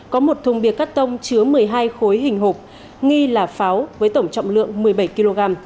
có một thùng bia cắt tông chứa một mươi hai khối hình hộp nghi là pháo với tổng trọng lượng một mươi bảy kg